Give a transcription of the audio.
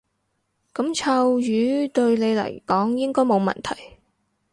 噉臭魚對你嚟講應該冇問題